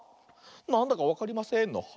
「なんだかわかりません」の「はあ？」。